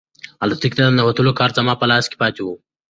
الوتکې ته د ننوتلو کارت زما په لاس کې پاتې و.